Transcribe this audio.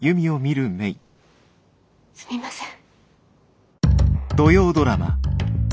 すみません。